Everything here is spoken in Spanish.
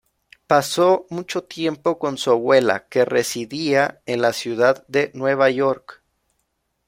Pasó mucho tiempo con su abuela, que residía en la ciudad de Nueva York.